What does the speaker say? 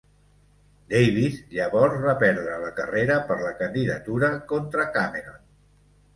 Davis, llavors, va perdre la carrera per la candidatura contra Cameron.